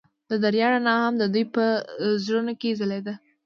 د دریا رڼا هم د دوی په زړونو کې ځلېده.